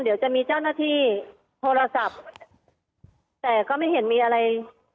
เดี๋ยวจะมีเจ้าหน้าที่โทรศัพท์แต่ก็ไม่เห็นมีอะไร